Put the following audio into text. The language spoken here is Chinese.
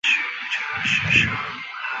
董宪与庞萌退守郯城。